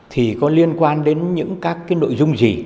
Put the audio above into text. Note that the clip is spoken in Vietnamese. thì có liên quan đến những các cái nội dung gì